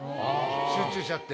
集中しちゃって。